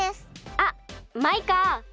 あっマイカ！